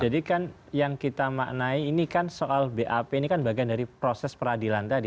jadi kan yang kita maknai ini kan soal bap ini kan bagian dari proses peradilan tadi